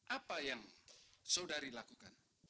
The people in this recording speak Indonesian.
apa yang saudari lakukan